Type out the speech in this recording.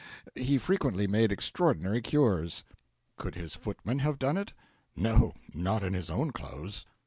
He frequently made extraordinary cures. Could his footman have done it? No not in his own clothes.